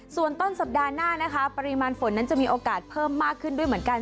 ส่วนต้นสัปดาห์หน้านะคะปริมาณฝนนั้นจะมีโอกาสเพิ่มมากขึ้นด้วยเหมือนกัน